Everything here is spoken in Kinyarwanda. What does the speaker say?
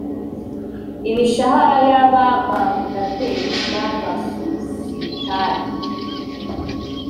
Imishara y Abamandateri n Abasusitati